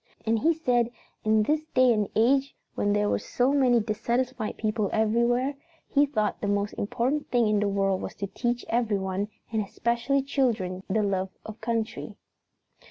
And he said in this day and age when there were so many dissatisfied people everywhere, he thought the most important thing in the world was to teach everyone, and especially children, the love of country."